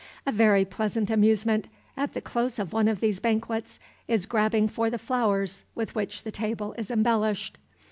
A very pleasant amusement, at the close of one of these banquets, is grabbing for the flowers with which the table is embellished.